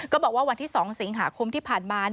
บอกว่าวันที่๒สิงหาคมที่ผ่านมา